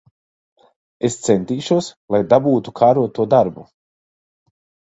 Es centīšos, lai dabūtu kāroto darbu.